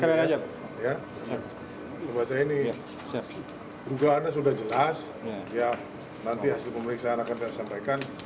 nanti hasil pemeriksaan akan saya sampaikan